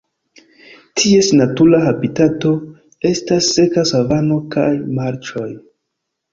Ties natura habitato estas seka savano kaj marĉoj.